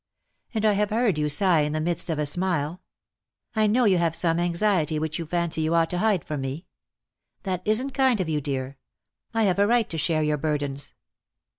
And I have heard you sigh in the midst of a smile. I know you have some anxiety which you fancy you ought to hide from me. That isn't kind of you, dear. I have a right to share your burdens."